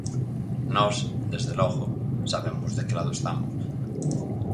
Nós, desde logo, sabemos de que lado estamos.